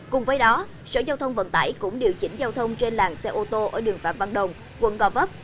cùng với đó sở giao thông vận tải cũng điều chỉnh giao thông trên làng xe ô tô ở đường phạm văn đồng quận gò vấp